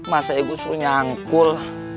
masa ya gua suruh nyangkul